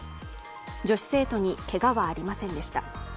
女子生徒にけがはありませんでした。